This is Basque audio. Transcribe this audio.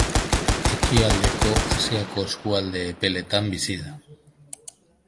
Ekialdeko Asiako eskualde epeletan bizi da.